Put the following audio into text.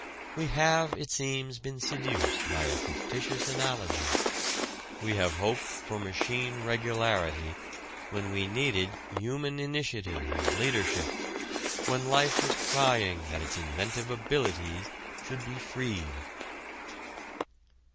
We have, it seems, been seduced by a fictitious analogy: we have hoped for machine regularity when we needed human initiative and leadership, when life was crying that its inventive abilities should be freed.